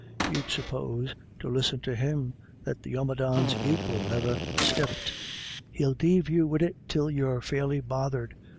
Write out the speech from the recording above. You'd suppose, to listen to him, that the omadhawn's aquil never stepped. He'll deive you wid it till you're fairly bothered.